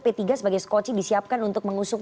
p tiga sebagai skoci disiapkan untuk mengusung